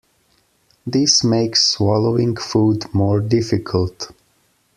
This makes swallowing food more difficult.